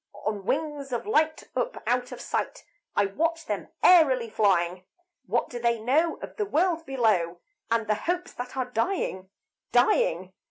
On wings of light, up, out of sight I watch them airily flying. What do they know of the world below, And the hopes that are dying, dying?